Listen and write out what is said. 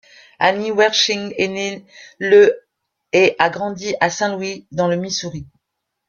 Annie Wersching est née le et a grandi à Saint-Louis dans le Missouri.